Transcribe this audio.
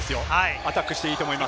アタックしていいと思います。